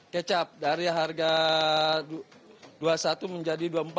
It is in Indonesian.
kecap dari harga rp dua puluh satu menjadi rp dua puluh empat